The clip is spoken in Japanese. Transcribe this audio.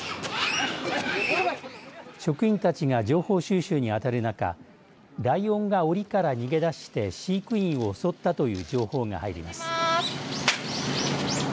職員たちが情報収集に当たる中ライオンがおりから逃げ出して飼育員を襲ったという情報が入ります。